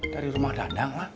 dari rumah danang lah